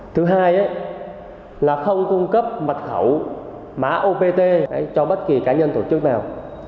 thứ hai là không cung cấp mật khẩu mã opt cho bất kỳ cá nhân tổ chức nào